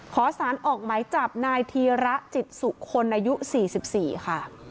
ขอสารออกหมายจับนายธีระจิตสุคนอายุ๔๔ค่ะ